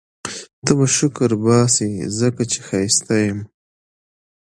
ته به شکرباسې ځکه چي ښایسته یم